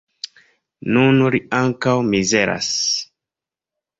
Nun li ankaŭ mizeras.